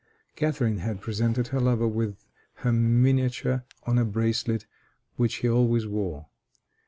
Catharine had presented her lover with her miniature on a bracelet, which he always wore.